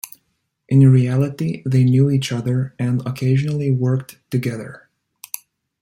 In reality they knew each other and occasionally worked together.